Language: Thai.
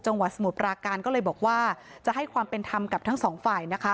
สมุทรปราการก็เลยบอกว่าจะให้ความเป็นธรรมกับทั้งสองฝ่ายนะคะ